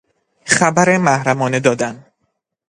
خبر محرمانه دادن